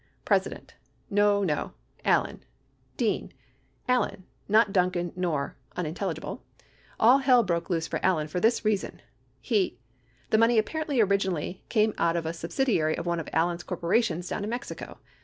President. No, no. Allen Dean. Allen, not Duncan nor. [unintelligible] All hell broke loose for Allen for this reason : He — the money appar ently originally came out of a subsidiary of one of Allen's cor porations down in Mexico.